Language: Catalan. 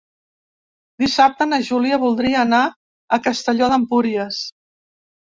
Dissabte na Júlia voldria anar a Castelló d'Empúries.